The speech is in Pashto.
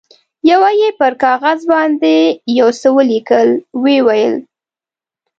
یوه یې پر کاغذ باندې یو څه ولیکل، ویې ویل.